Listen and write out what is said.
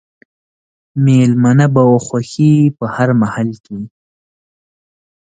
مېلمنه به وه خوښي په هر محل کښي